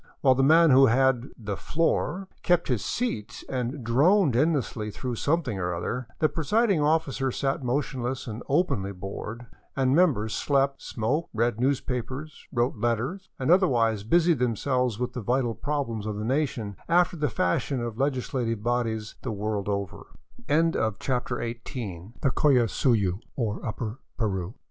While the man who had the *' floor " kept his seat and droned endlessly through something or other, the presiding officer sat motion less and openly bored, and members slept, smoked, read newspapers, wrote letters, and otherwise busied themselves with the vital problems of the nation, after the fashion of legislative bodies the world over.